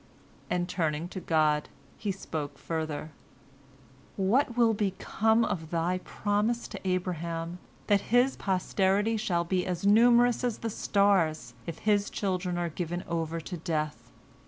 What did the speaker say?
And turning to God, he spoke further: "What will become of Thy promise to Abraham, that his posterity shall be as numerous as the stars, if his children are given over to death?